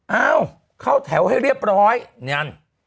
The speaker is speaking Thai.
เอ้าเข้าแถวให้เรียบร้อยนั่น